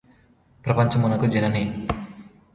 ప్రపంచమునకు జనని